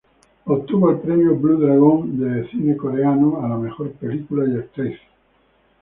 Obtuvo el Premio Blue Dragón del cine coreano a la mejor película y actriz.